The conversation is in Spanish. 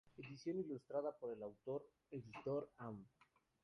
Edición ilustrada por el autor, editor Am.